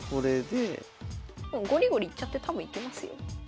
ゴリゴリいっちゃって多分いけますよ。